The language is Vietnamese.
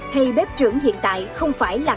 hay bếp trưởng hiện tại không phải là